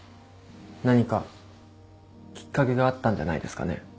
何かきっかけがあったんじゃないですかね。